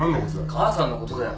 母さんのことだよ。